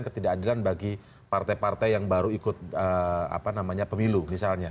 ketidakadilan bagi partai partai yang baru ikut pemilu misalnya